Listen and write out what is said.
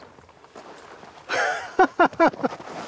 ハハハハハ！